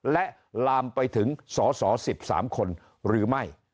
และลามไปถึงสส๑๓คนหรือไม่